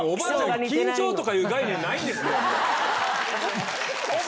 緊張とかいう概念ないんですか。